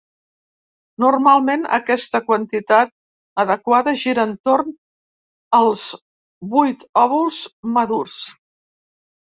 Normalment, aquesta quantitat adequada gira entorn els vuit òvuls madurs.